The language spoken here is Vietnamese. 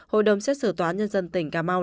hội đồng xét xử tòa nhân dân tỉnh cà mau